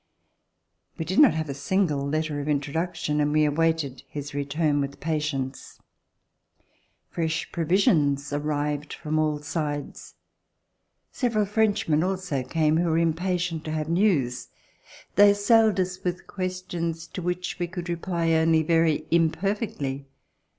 We did not have a single letter of introduction, and we awaited his return with patience. Fresh provisions arrived from all sides. Several Frenchmen also came, who were impatient to have news. They assailed us with questions to which we could reply only very imperfectly.